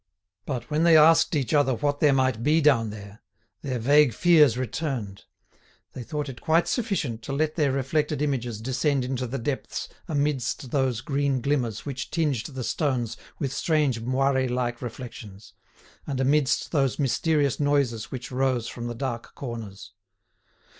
But when they asked each other what there might be down there, their vague fears returned; they thought it quite sufficient to let their reflected images descend into the depths amidst those green glimmers which tinged the stones with strange moire like reflections, and amidst those mysterious noises which rose from the dark corners.